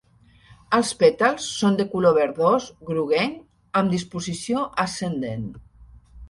Els pètals són de color verdós groguenc amb disposició ascendent.